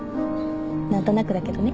何となくだけどね。